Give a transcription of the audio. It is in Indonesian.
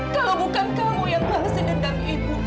kalau bukan kamu yang balesin dendam ibu